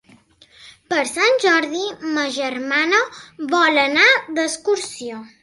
Per Sant Jordi ma germana vol anar d'excursió.